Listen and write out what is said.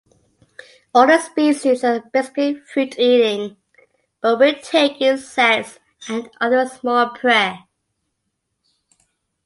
All the species are basically fruit-eating, but will take insects and other small prey.